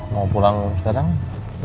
mau pulang sekarang